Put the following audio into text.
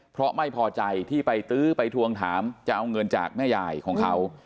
เพราะไม่พอใจที่ไปตื้อไปทวงถามจะเอาเงินจากแม่ยายของเขา